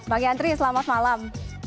bang yandri selamat malam